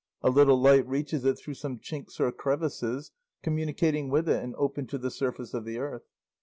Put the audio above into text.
A little light reaches it through some chinks or crevices, communicating with it and open to the surface of the earth.